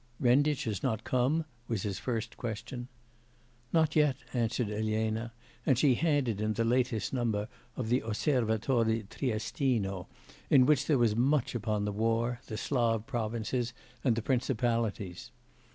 'Renditch has not come?' was his first question. 'Not yet,' answered Elena, and she handed him the latest number of the Osservatore Triestino, in which there was much upon the war, the Slav Provinces, and the Principalities.